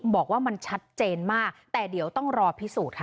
บอกว่ามันชัดเจนมากแต่เดี๋ยวต้องรอพิสูจน์ค่ะ